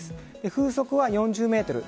風速は４０メートル